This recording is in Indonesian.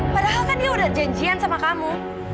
padahal kan dia udah janjian sama kamu